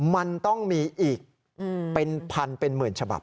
มันต้องมีอีกเป็นพันเป็นหมื่นฉบับ